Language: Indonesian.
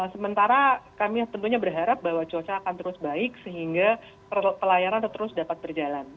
sementara kami tentunya berharap bahwa cuaca akan terus baik sehingga pelayaran terus dapat berjalan